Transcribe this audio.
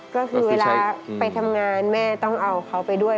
ก็คือเวลาไปทำงานแม่ต้องเอาเขาไปด้วย